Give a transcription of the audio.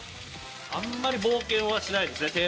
あんまり冒険はしないですね。